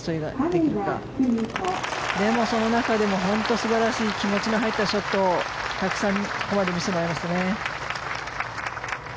でも、その中でも本当に素晴らしい気持ちの入ったショットをたくさんここまで見せてもらいましたね。